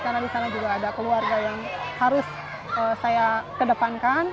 karena di sana juga ada keluarga yang harus saya kedepankan